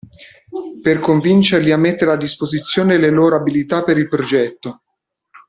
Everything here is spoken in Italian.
Per convincerli a mettere a disposizione le loro abilità per il progetto.